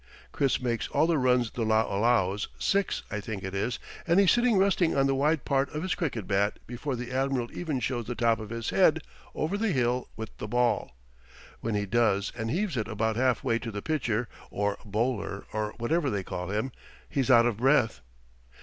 Chiz makes all the runs the law allows six, I think it is and he's sitting resting on the wide part of his cricket bat before the admiral even shows the top of his head over the hill with the ball. When he does and heaves it about half way to the pitcher, or bowler, or whatever they call him, he's out of breath.